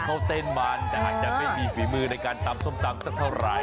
เขาเต้นมันแต่อาจจะไม่มีฝีมือในการตำส้มตำสักเท่าไหร่